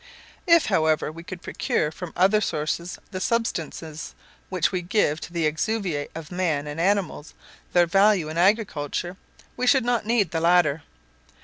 If, however, we could procure from other sources the substances which give to the exuviae of man and animals their value in agriculture, we should not need the latter.